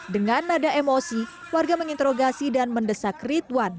dengan nada emosi warga menginterogasi dan mendesak ridwan